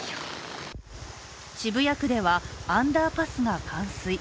渋谷区ではアンダーパスが冠水。